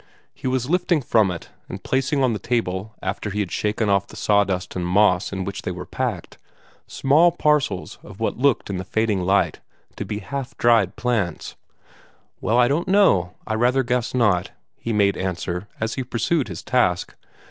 He was lifting from it, and placing on the table after he had shaken off the sawdust and moss in which they were packed, small parcels of what looked in the fading light to be half dried plants. "Well, I don't know I rather guess not," he made answer, as he pursued his task.